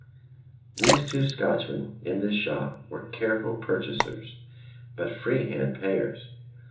These two Scotchmen in this shop were careful purchasers, but free handed payers.